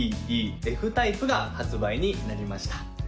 Ｄ・Ｅ・Ｆタイプが発売になりました